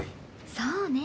そうね